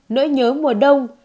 nỗi nhớ mùa đông